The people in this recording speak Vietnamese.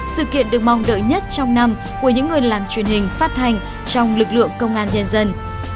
sự kiện được mong đợi nhất trong năm của những người làm truyền hình phát thanh trong lực lượng công an nhân dân